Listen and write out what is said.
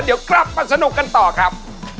เดี๋ยวกลับมาสนุกกันต่อครับ